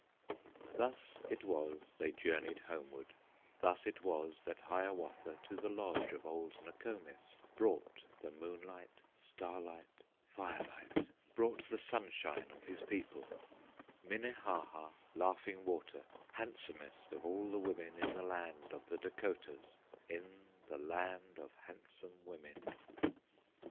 Thus it was they journeyed homeward; Thus it was that Hiawatha To the lodge of old Nokomis Brought the moonlight, starlight, firelight, Brought the sunshine of his people, Minnehaha, Laughing Water, Handsomest of all the women In the land of the Dacotahs, In the land of handsome women.